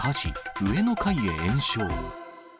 上の階へ延焼。